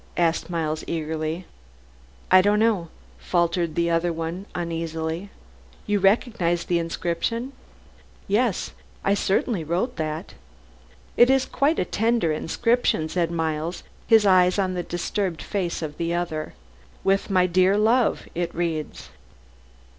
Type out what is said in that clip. asked Miles eagerly. "I don't know," faltered the other uneasily. "You recognize the inscription?" "Yes, I certainly wrote that." "It is quite a tender inscription," said Miles, his eyes on the disturbed face of the other. "'With my dear love,' it reads."